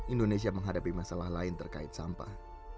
indonesia menghadapi masalah lain terkait sampah